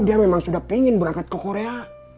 dia memang sudah pengen berangkat ke korea